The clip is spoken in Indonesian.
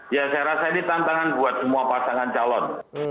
ya saya rasa ini tantangan buat semua pasangan calon